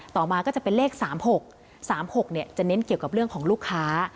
ต่อมาก็จะเป็นเลข๓๖๓๖จะเน้นเกี่ยวกับเรื่องของลูกค้า